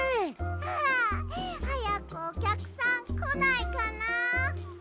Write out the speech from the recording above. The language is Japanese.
ああはやくおきゃくさんこないかな？